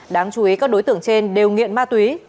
đáng chú ý các đối tượng trên đều nghiện ma túy